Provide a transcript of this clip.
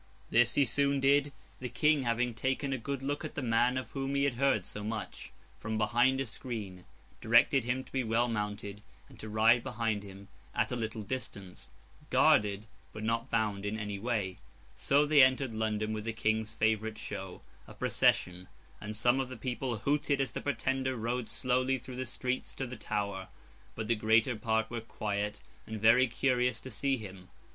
This he soon did; the King having taken a good look at the man of whom he had heard so much—from behind a screen—directed him to be well mounted, and to ride behind him at a little distance, guarded, but not bound in any way. So they entered London with the King's favourite show—a procession; and some of the people hooted as the Pretender rode slowly through the streets to the Tower; but the greater part were quiet, and very curious to see him.